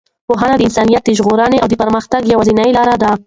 پوهنه د انسانیت د ژغورنې او د پرمختګ یوازینۍ لاره ده.